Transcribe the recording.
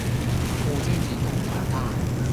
佢撚人呀，唔止一鑊㗎